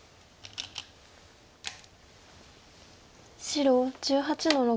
白１８の六。